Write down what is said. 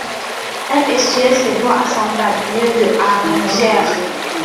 Elle essuyait ses doigts à son tablier de harengère.